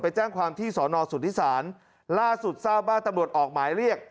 แจ้งความที่สอนอสุทธิศาลล่าสุดทราบว่าตำรวจออกหมายเรียก